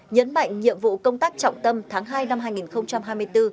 nhấn mạnh nhiệm vụ công tác trọng tâm tháng hai năm hai nghìn hai mươi bốn